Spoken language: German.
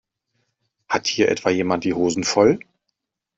Hat hier etwa jemand die Hosen voll?